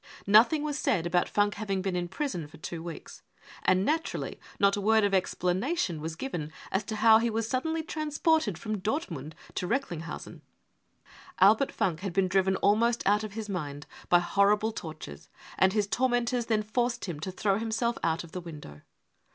Nothing was said about Funk having been in prison for two weeks ; and naturally not a word of explana tion was given as to how he was suddenly transported from Dortmund to Recklingshausen. Albert Funk had been driven almost out of his mind by horrible tortures, and his tormentors then forced him to throw himself out of the window.